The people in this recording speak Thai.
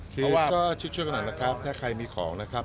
เพราะว่าก็ชุดช่วยขนาดนะครับถ้าใครมีของนะครับ